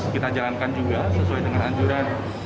kita jalankan juga sesuai dengan anjuran